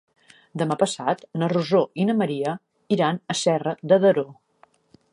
Demà passat na Rosó i na Maria iran a Serra de Daró.